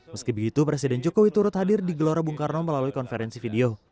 meski begitu presiden jokowi turut hadir di gelora bung karno melalui konferensi video